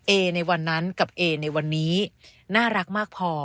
เอในวันนั้นกับเอในวันนี้น่ารักมากพอ